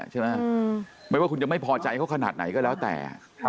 ใช่ไหมไม่ว่าคุณจะไม่พอใจเขาขนาดไหนก็แล้วแต่